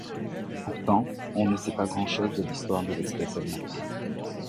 Pourtant, on ne sait pas grand-chose de l'histoire de l'espèce elle-même.